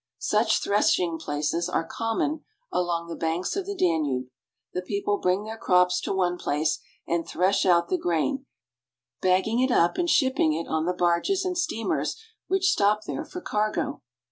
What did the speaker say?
Such threshing places are common along the banks of the Danube. The people bring their crops to one place and thresh out the grain, bagging it up and shipping it on the targes and steamers which stop there for cargo.